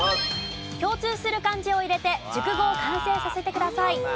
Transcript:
共通する漢字を入れて熟語を完成させてください。